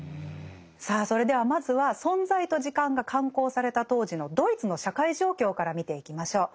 さあそれではまずは「存在と時間」が刊行された当時のドイツの社会状況から見ていきましょう。